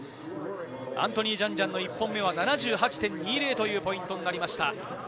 アントニー・ジャンジャンの１本目は７８．２０となりました。